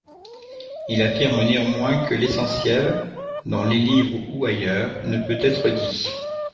Il affirme néanmoins que l’essentiel, dans les livres ou ailleurs, ne peut être dit.